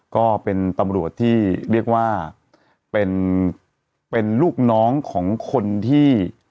ก็เป็นตำรวจที่เรียกว่าเป็นลูกน้องของคนที่